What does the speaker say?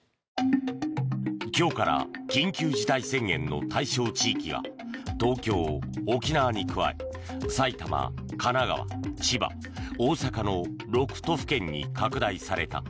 今日から緊急事態宣言の対象地域が東京、沖縄に加え埼玉、神奈川、千葉、大阪の６都府県に拡大された。